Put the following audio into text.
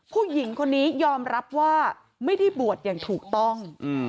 ผู้หญิงคนนี้ยอมรับว่าไม่ได้บวชอย่างถูกต้อง